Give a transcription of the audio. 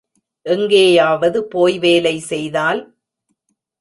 எங்கேயாவது போய் வேலை செய்தால்?